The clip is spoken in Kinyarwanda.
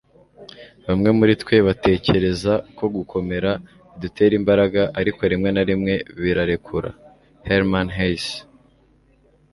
bamwe muri twe batekereza ko gukomera bidutera imbaraga, ariko rimwe na rimwe birarekura - herman hesse